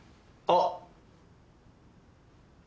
あっ！